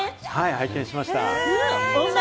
拝見しました。